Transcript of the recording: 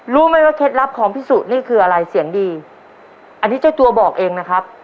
รู้ไหมว่าเคล็ดลับของพี่สุนี่คืออะไรเสียงดีอันนี้เจ้าตัวบอกเองนะครับ